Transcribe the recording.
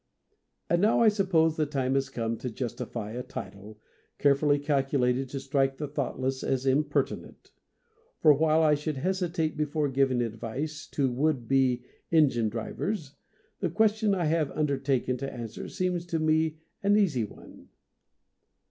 And now, I suppose, the time has come to justify a title, carefully calculated to strike the thoughtless as impertinent. For while I should hesitate before giving advice to would be engine drivers^ the question I have undertaken to answer seems to me an easy one.